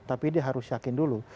tapi dia harus yakin dulu